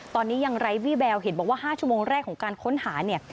ตอนนี้ยังไร้วี่แววเห็นบอกว่า๕ชั่วโมงแรกของการค้นหาเนี่ย